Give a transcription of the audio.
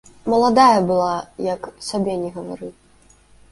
Маладая была, як сабе ні гавары.